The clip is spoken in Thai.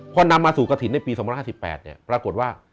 พอนำมาสู่กระถิ่นในปี๒๕๘ปรากฏว่า